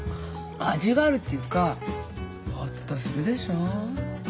味があるっていうかほっとするでしょう。